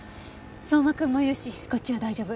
相馬君もいるしこっちは大丈夫。